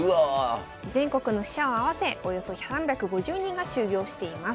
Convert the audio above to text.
全国の支社を合わせおよそ３５０人が就業しています。